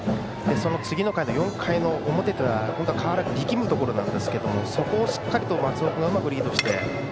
その次の回の４回の表は本当は川原君力むところなんですがそこをしっかり松尾君がうまくリードしました。